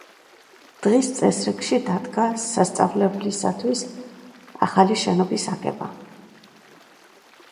დღის წესრიგში დადგა სასწავლებლისათვის ახალი შენობის აგება.